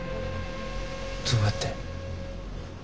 どうやって？